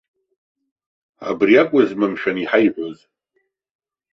Абри акәызма мшәан иҳаиҳәоз.